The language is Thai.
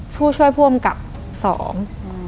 ผู้ช่วยผู้อำกับสอง